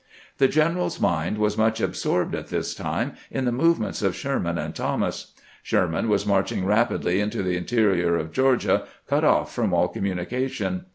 The general's mind was much absorbed at this time in the movements of Sherman and Thomas. Sherman was marching rapidly into the interior of Georgia, cut off from aU communication.